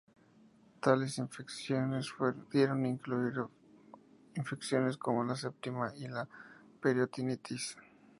Tales infecciones pudieron incluir infecciones como la septicemia y la peritonitis.